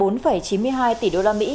tăng một mươi hai tỷ usd